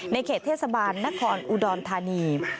เขตเทศบาลนครอุดรธานี